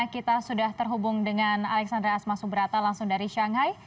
kita sudah terhubung dengan alexandra asma subrata langsung dari shanghai